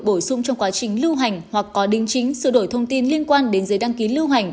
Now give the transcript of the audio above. bổ sung trong quá trình lưu hành hoặc có đính chính sửa đổi thông tin liên quan đến giấy đăng ký lưu hành